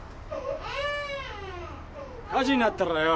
・火事になったらよ